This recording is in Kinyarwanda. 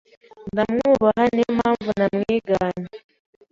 ndamwubaha niyo mpamvu namwiganye